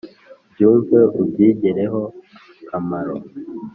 Byumve ubyigireho akamaro